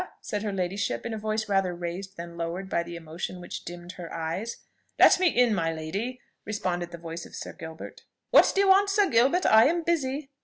said her ladyship in a voice rather raised than lowered by the emotion which dimmed her eyes. "Let me in, my lady!" responded the voice of Sir Gilbert. "What do you want, Sir Gilbert? I am busy."